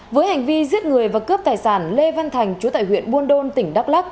với hành vi giết người và cướp tài sản lê văn thành chú tại huyện buôn đôn tỉnh đắk lắc